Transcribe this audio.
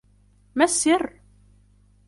ما السر؟